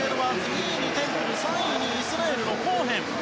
２位にテンプル３位にイスラエルのコーヘン。